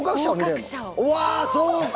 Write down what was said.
うわそうか！